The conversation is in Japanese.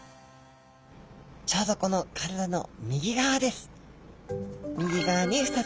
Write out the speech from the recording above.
ちょうどこの体の右側です